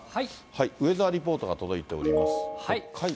ウェザーリポートが届いております。